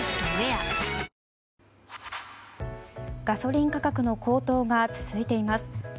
ガソリン価格の高騰が続いています。